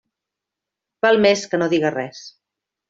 Val més que no diga res.